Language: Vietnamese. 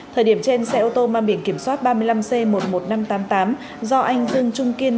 thời điểm trên xe ô tô mang biển kiểm soát ba mươi năm c một mươi một nghìn năm trăm tám mươi tám do anh dương trung kiên